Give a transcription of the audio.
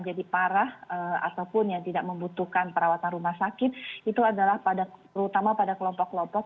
jadi parah ataupun yang tidak membutuhkan perawatan rumah sakit itu adalah terutama pada kelompok kelompok